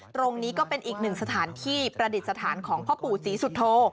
ตรงนี้ก็เป็นอีกหนึ่งสถานที่ประดิษฐานของพ่อปู่ศรีสุโธ